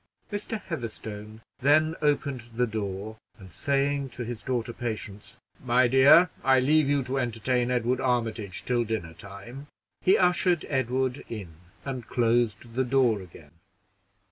Mr. Heatherstone then opened the door, and saying to his daughter Patience, "My dear, I leave you to entertain Edward Armitage till dinner time," he ushered Edward in, and closed the door again.